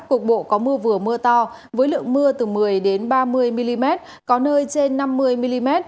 cục bộ có mưa vừa mưa to với lượng mưa từ một mươi ba mươi mm có nơi trên năm mươi mm